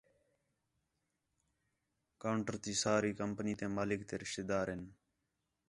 کاؤنٹر تی سارے کمپنی تے مالک تے رشتے دار ہین